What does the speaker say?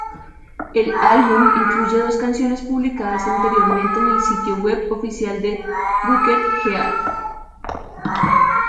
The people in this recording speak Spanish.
El álbum incluye dos canciones publicadas anteriormente en el sitio web oficial de Buckethead.